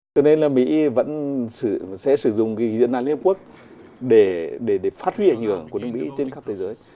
cho nên là mỹ vẫn sẽ sử dụng dự án liên hợp quốc để phát huy ảnh hưởng của nước mỹ trên khắp thế giới